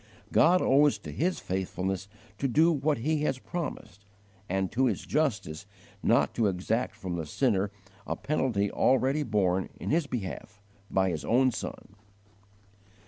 God owes to His faithfulness to do what He has promised, and to His justice not to exact from the sinner a penalty already borne in his behalf by His own Son.